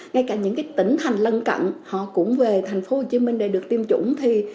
ngay cả những tỉnh thành lân cận họ cũng về thành phố hồ chí minh để được tiêm chủng